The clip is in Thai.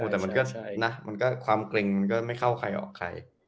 แต่มันก็นะมันก็ความเกร็งมันก็ไม่เข้าใครออกใคร